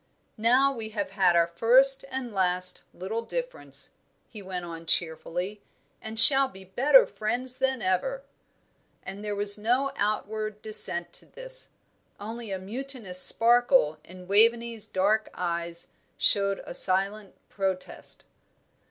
"Now we have had our first and last little difference," he went on, cheerfully, "and shall be better friends than ever." And there was no outward dissent to this; only a mutinous sparkle in Waveney's dark eyes showed a silent protest.